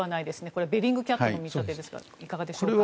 これはベリングキャットの見立てですがいかがでしょうか。